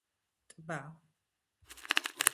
ტბა